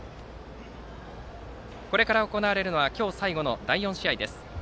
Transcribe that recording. これから行われるのは今日、最後の第４試合です。